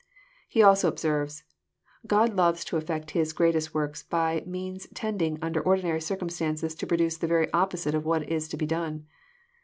He also observes, " God loves to effect His greatest works by means tending under ordinary circumstances to produce the very opposite of what is to be done.